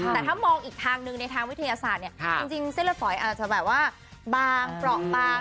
แต่ถ้ามองอีกทางหนึ่งในทางวิทยาศาสตร์เนี่ยจริงเส้นละฝอยอาจจะแบบว่าบางเปราะบาง